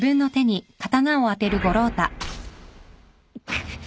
くっ。